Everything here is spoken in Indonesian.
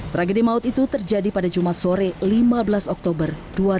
tragedi maut itu terjadi pada jumat sore lima belas oktober dua ribu dua puluh